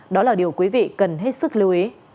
đó là điều quý vị cần hết sức lưu ý